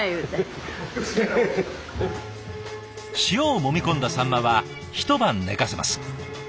塩をもみ込んだサンマは一晩寝かせます。